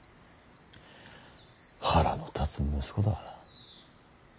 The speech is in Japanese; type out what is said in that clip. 腹の立つ息子だ。